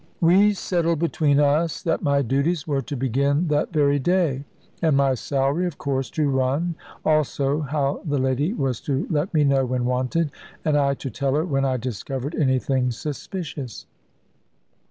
We settled between us that my duties were to begin that very day, and my salary of course to run, also how the lady was to let me know when wanted, and I to tell her when I discovered anything suspicious.